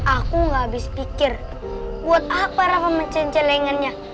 aku gak habis pikir buat apa rafa mecencelenganya